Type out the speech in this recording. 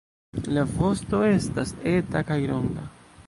La vosto estas eta kaj ronda.